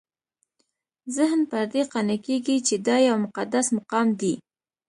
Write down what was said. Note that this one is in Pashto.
ذهن پر دې قانع کېږي چې دا یو مقدس مقام دی.